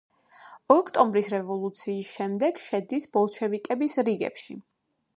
ოქტომბრის რევოლუციის შემდეგ შედის ბოლშევიკების რიგებში.